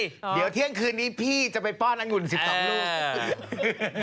เดี๋ยวเที่ยงคืนนี้พี่จะไปป้อนอังุ่น๑๒ลูก